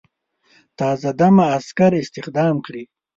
تازه دمه عسکر استخدام کړي.